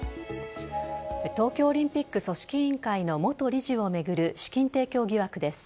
東京オリンピック組織委員会の元理事を巡る資金提供疑惑です。